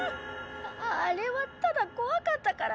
あれはただこわかったからで。